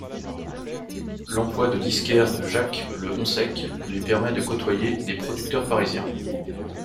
L'emploi de disquaire de Jacques le Honsec lui permet de côtoyer des producteurs parisiens.